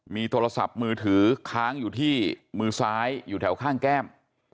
มีโทรศัพท์มือถือค้างอยู่ที่มือซ้ายอยู่แถวข้างแก้ม